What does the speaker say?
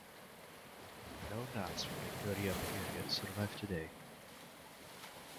No knots from the Goryeo period survive today.